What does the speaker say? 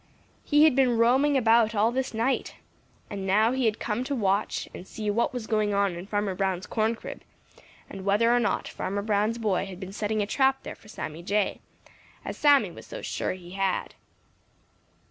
He had been roaming about all this night, and now he had come to watch and see what was going on at Farmer Brown's corn crib, and whether or not Farmer Brown's boy had been setting a trap there for Sammy Jay, as Sammy was so sure he had.